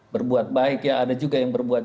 berbuat baik ya ada juga yang berbuat